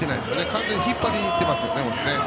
完全に引っ張りにいってますよね。